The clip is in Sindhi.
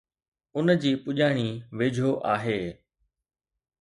ان جي پڄاڻي ويجهو آهي